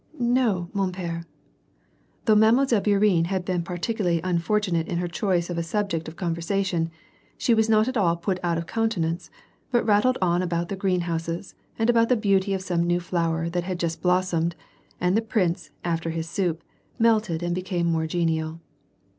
" No, 7no7i pere /" Though Mile. Bourienne had been particularly unfortunate in her choice of a subject of conversation, she was not at all put out of countenance, but rattled on about the greenhouses, and about the beauty of some new flower that had just blos somed, and the prince, after his soup, melted and became more genial.